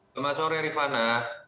selamat sore rifana